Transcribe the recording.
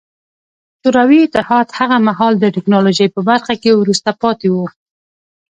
شوروي اتحاد هغه مهال د ټکنالوژۍ په برخه کې وروسته پاتې و